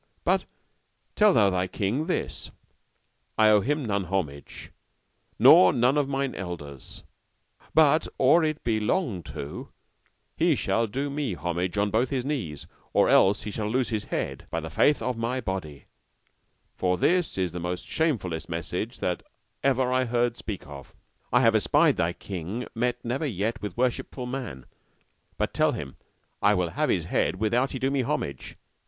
But tell thou thy king this: I owe him none homage, nor none of mine elders; but or it be long to, he shall do me homage on both his knees, or else he shall lose his head, by the faith of my body, for this is the most shamefulest message that ever I heard speak of. I have espied thy king met never yet with worshipful man, but tell him, I will have his head without he do me homage.